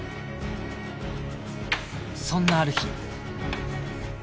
そんなある日